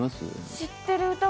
知ってるの？